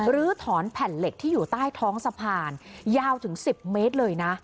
ลื้อถอนแผ่นเหล็กที่อยู่ใต้ท้องสะพานยาวถึง๑๐เมตรเลยนะ